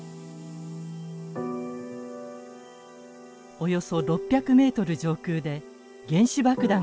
およそ６００ｍ上空で原子爆弾がさく裂。